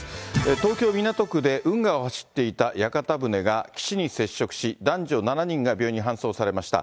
東京・港区で運河を走っていた屋形船が岸に接触し、男女７人が病院に搬送されました。